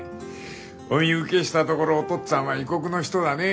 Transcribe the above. お見受けしたところお父っつぁんは異国の人だね。